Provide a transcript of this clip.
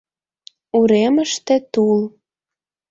Уремыште — тул.